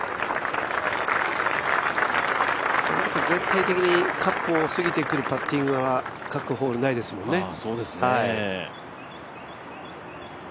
全体的にカップを過ぎてくるパッティングは各ホールないですね。